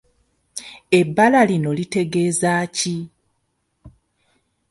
Ebbala lino litegeeza ki?